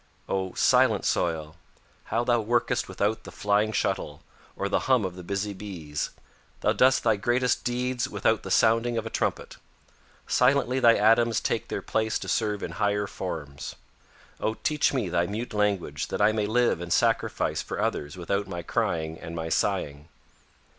"O silent soil! How thou workest without the flying shuttle, or the hum of the busy bees. Thou doest thy greatest deeds without the sounding of a trumpet. Silently thy atoms take their places to serve in higher forms. O teach me thy mute language that I may live and sacrifice for others without my crying and my sighing.